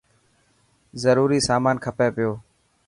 ضروري سامان کپي پيو.